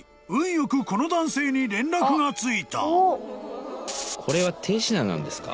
よくこの男性に連絡がついた］